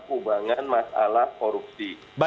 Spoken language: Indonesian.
keubangan masalah korupsi